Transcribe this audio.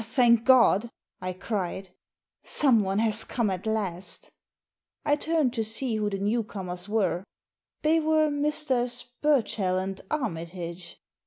"Thank God!" I cried. "Someone has come at last" I turned to see who the new comers were. They were Messrs. Burchell and Armitage.